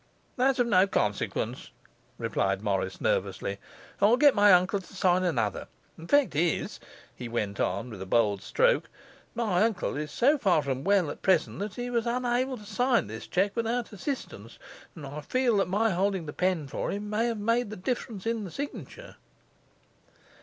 'That's of no consequence,' replied Morris nervously. 'I'll get my uncle to sign another. The fact is,' he went on, with a bold stroke, 'my uncle is so far from well at present that he was unable to sign this cheque without assistance, and I fear that my holding the pen for him may have made the difference in the signature.